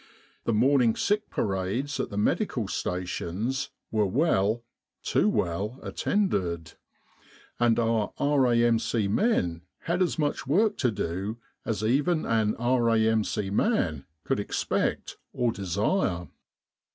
The morning sick parades at the medical stations were well, too well, attended; and ouf R.A.M.C. men had as much work to do as even an R.A.M.C. man could expect or desire.